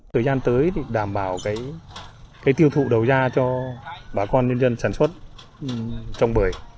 thời gian tới thì đảm bảo tiêu thụ đầu ra cho bà con nhân dân sản xuất trong bưởi